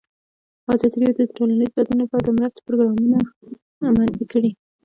ازادي راډیو د ټولنیز بدلون لپاره د مرستو پروګرامونه معرفي کړي.